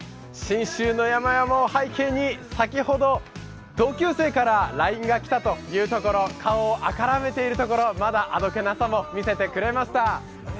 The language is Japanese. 信州の山々を背景に、先ほど同級生からＬＩＮＥが来たと言うところ顔を赤らめているところ、まだあどけなさも見せてくれました。